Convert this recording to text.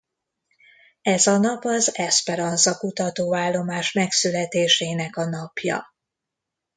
Ez a nap az Esperanza kutatóállomás megszületésének a napja.